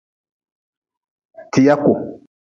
Tiyaku.